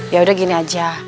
yaudah gini aja